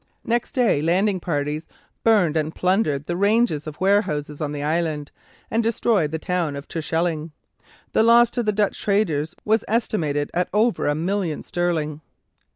Next day landing parties burned and plundered the ranges of warehouses on the island, and destroyed the town of Terschelling. The loss to the Dutch traders was estimated at over a million sterling.